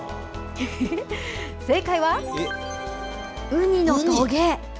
正解は、ウニのトゲ。